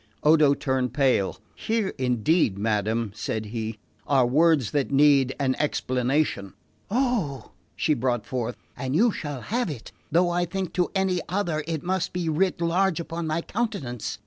Odo turned pale. "Here indeed, madam," said he, "are words that need an explanation." "Oh," she broke forth, "and you shall have it; though I think to any other it must be writ large upon my countenance."